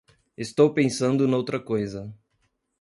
estou pensando noutra coisa